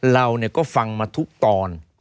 เราก็ฟังมาทุกตอน